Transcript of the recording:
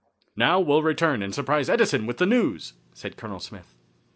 "Now, we'll return and surprise Edison with the news," said Colonel Smith.